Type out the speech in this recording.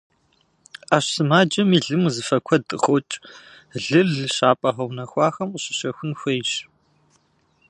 Ӏэщ сымаджэм и лым узыфэ куэд къыхокӏ, лыр лыщапӏэ гъэунэхуахэм къыщыщэхун хуейщ.